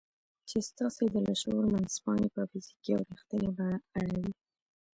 چې ستاسې د لاشعور منځپانګې په فزيکي او رښتينې بڼه اړوي.